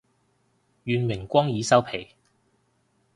願榮光已收皮